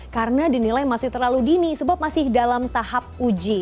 karena dinilai masih terlalu dini sebab masih dalam tahap uji